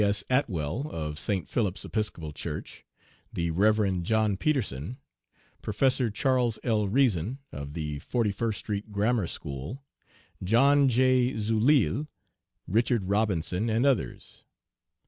S. Atwell, of St. Philip's Episcopal Church; the Rev. John Peterson; Professor Charles L. Reason, of the Forty first Street Grammar School; John J. Zuilille; Richard Robinson, and others.